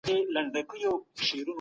د ډیموکراسۍ لسیزه زمونږ زرینه دوره وه.